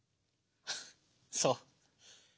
そう。